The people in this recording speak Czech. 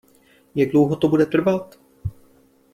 Jak dlouho to bude trvat?